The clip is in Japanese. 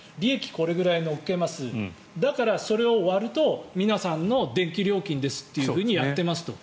これくらい乗っけますだからそれを割ると皆さんの電気料金ですとやっていますと。